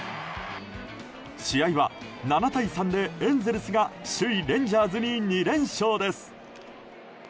試合は７対３でエンゼルスが首位レンジャーズに２連勝です。